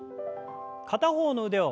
片方の腕を前に。